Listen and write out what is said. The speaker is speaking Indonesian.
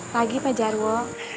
pagi pak jarwo